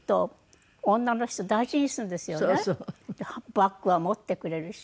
バッグは持ってくれるし。